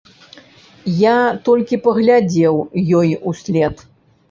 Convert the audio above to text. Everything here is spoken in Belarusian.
Я толькі паглядзеў ёй услед.